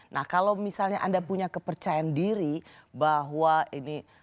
nah kalau misalnya anda punya kepercayaan diri bahwa ini